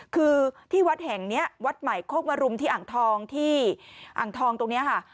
คือที่วัดแห่งนี้วัดใหม่โคกมรุมที่อ่างทองที่อ่างทองตรงนี้ค่ะ